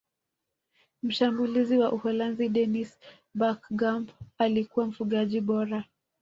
mshambulizi wa uholanzi dennis berkgamp alikuwa mfungaji bora